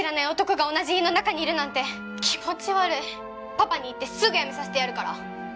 パパに言ってすぐ辞めさせてやるから。